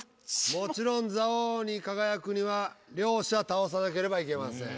もちろん座王に輝くには両者倒さなければいけません。